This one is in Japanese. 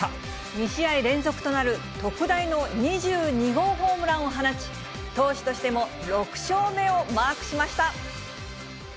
２試合連続となる特大の２２号ホームランを放ち、投手としても６勝目をマークしました。